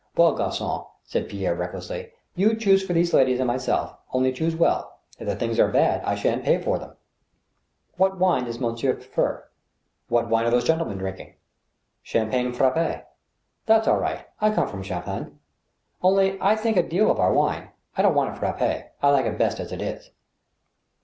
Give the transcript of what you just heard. " Well, gargon" said Pierre, recklessly, " you choose for these ladies and myself, only choose well ; if the things are bad, I shan't pay iox them." " What wine does monsieur prefer ?"" What wine are those gentlemen drinking ?"" Champagne frappi " That's all right. I come from Champagne. Only, I think a deal of our wine. I don't want it frappi—l like it best as it is."